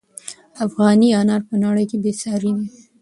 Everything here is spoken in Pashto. افغاني انار په نړۍ کې بې ساري دي.